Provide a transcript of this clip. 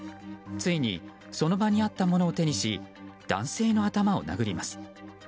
ついにその場にあったものを手にし男性の頭を殴ります。